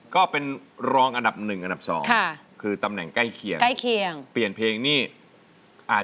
ขอบคุณครับ